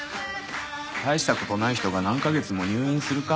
大したことない人が何か月も入院するか？